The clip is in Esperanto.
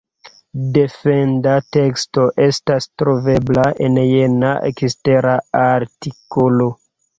Defenda teksto estas trovebla en jena ekstera artikolo.